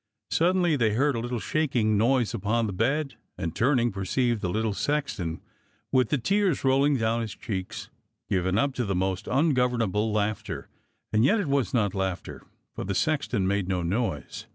Suddenly they heard a little shaking noise upon the bed, and, turning, perceived the little sexton, with the tears rolling down his cheeks, given up to the most ungovernable laughter, and yet it was not laughter, for the sexton made no noise.